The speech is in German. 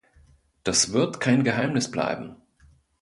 Das wird kein Geheimnis bleiben.